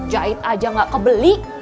jahit aja gak kebeli